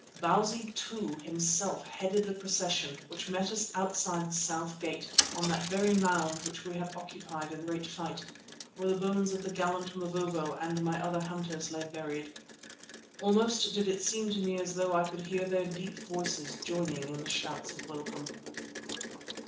Bausi II himself headed the procession which met us outside the south gate on that very mound which we had occupied in the great fight, where the bones of the gallant Mavovo and my other hunters lay buried. Almost did it seem to me as though I could hear their deep voices joining in the shouts of welcome.